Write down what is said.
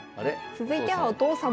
続いてはお父様。